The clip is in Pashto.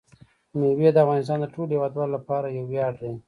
مېوې د افغانستان د ټولو هیوادوالو لپاره یو ویاړ دی.